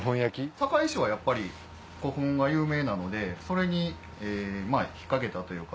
堺市はやっぱり古墳が有名なのでそれに引っ掛けたというか。